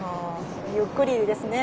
ゆっくりですね。